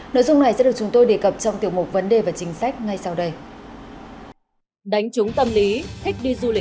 nội dung này sẽ được chúng tôi đề cập trong tiểu mục vấn đề và chính sách ngay sau đây